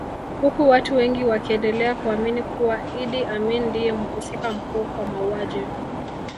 Huku watu wengi wakiendelea kuamini kuwa Idi Amin ndiye mhusika mkuu kwa mauaji